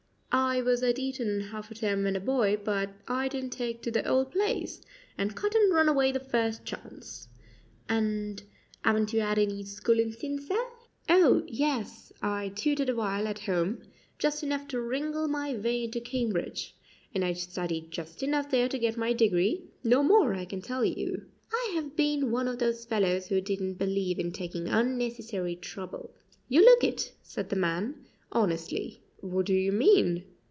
"I was at Eton half a term when a boy, but I didn't take to the old place, and cut and run away the first chance." "And 'aven't you 'ad any schoolin' since, sir?" "Oh, yes; I tutored awhile at home just enough to wriggle my way into Cambridge; and I studied just enough there to get my degree no more, I can tell you. I have been one of those fellows who didn't believe in taking unnecessary trouble." "You look it," said the man honestly. "What do you mean?"